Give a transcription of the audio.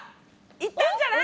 いったんじゃない？